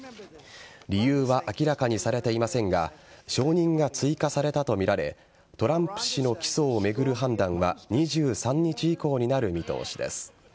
理由は明らかにされていませんが証人が追加されたとみられトランプ氏の起訴を巡る判断は２３日以降になる見通しです。